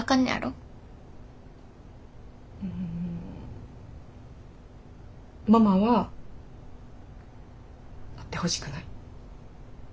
うんママは会ってほしくない。